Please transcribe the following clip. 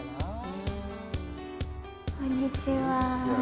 こんにちは。